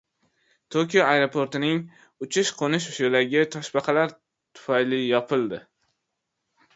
Tokio aeroportining uchish-qo‘nish yo‘lagi toshbaqalar tufayli yopildi